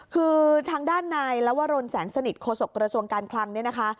คือทางด้านนายลวรนแสงสนิทโฆษกระทรวงการคลังเนี่ยนะคะ